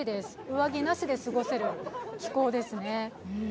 上着なしで過ごせる気候ですね。